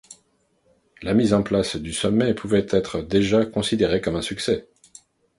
La mise en place du sommet pouvait être déjà considérée comme un succès.